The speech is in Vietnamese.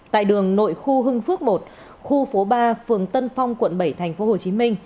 tại đường nội khu hưng phước một khu phố ba phường tân phong quận bảy tp hcm